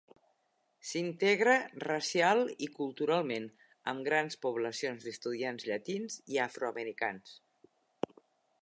S'integra racial i culturalment, amb grans poblacions d'estudiants llatins i afroamericans.